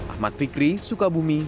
ahmad fikri sukabumi